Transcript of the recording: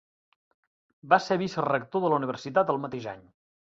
Va ser vicerector de la Universitat el mateix any.